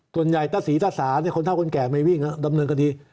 ตัวน๋ยายสียสระสานะคนเท่าคนแก่ไม่วิ่งดำเนินคดี